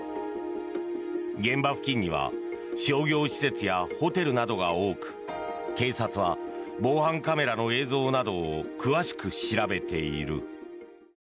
現場付近には商業施設やホテルなどが多く警察は防犯カメラの映像などを詳しく調べている。